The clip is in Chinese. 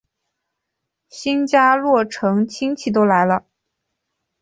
新家落成亲戚都来了